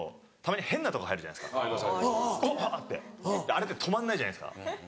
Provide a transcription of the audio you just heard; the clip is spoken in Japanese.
あれって止まんないじゃないですか。